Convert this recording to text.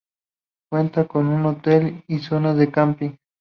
Cuenta con un hotel y zonas de camping.